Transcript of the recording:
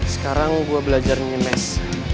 sekarang gue belajar nyemes